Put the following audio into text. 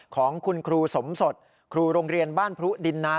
ของคุณครูสมสดครูโรงเรียนบ้านพรุดินนา